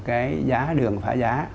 cái giá đường phá giá